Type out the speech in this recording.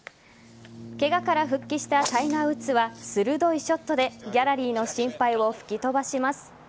ケガから復帰したタイガー・ウッズは鋭いショットでギャラリーの心配を吹き飛ばします。